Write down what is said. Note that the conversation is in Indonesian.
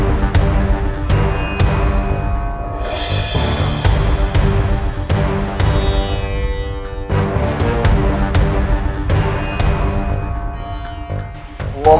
untuk ke gunung buntang